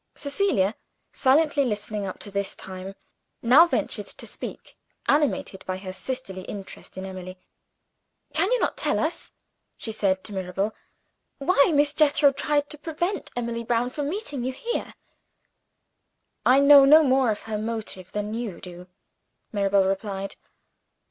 Cecilia, silently listening up to this time, now ventured to speak animated by her sisterly interest in Emily. "Can you not tell us," she said to Mirabel, "why Miss Jethro tried to prevent Emily Brown from meeting you here?" "I know no more of her motive than you do," Mirabel replied.